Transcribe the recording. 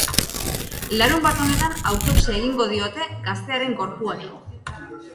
Larunbat honetan autopsia egingo diote gaztearen gorpuari.